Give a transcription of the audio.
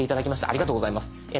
ありがとうございます。